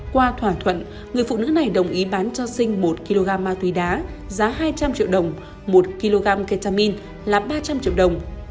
qua thỏa thuận người phụ nữ này đồng ý bán cho sinh một kg ma túy đá giá hai trăm linh triệu đồng một kg ketamine là ba trăm linh triệu đồng